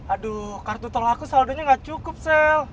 aduh kartu tol aku saldonya gak cukup sel